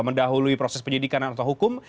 mendahului proses penyidikan atau hukum